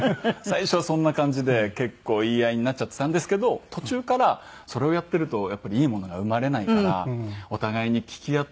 最初はそんな感じで結構言い合いになっちゃっていたんですけど途中からそれをやっているとやっぱりいいものが生まれないからお互いに聞き合って。